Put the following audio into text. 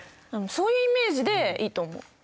そういうイメージでいいと思う。